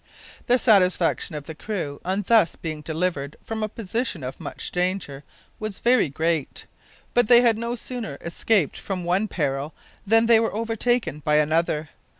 The satisfaction of the crew, on being thus delivered from a position of much danger, was very great; but they had no sooner escaped from one peril than they were overtaken by another.